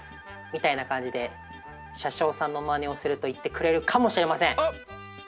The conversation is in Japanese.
みたいな感じで車掌さんのマネをすると行ってくれるかもしれません。